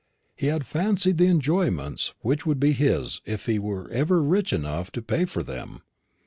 He had fancied the enjoyments which would be his if ever he were rich enough to pay for them.